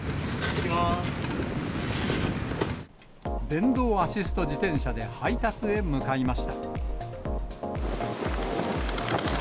電動アシスト自転車で配達へ向かいました。